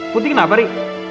putih kenapa ri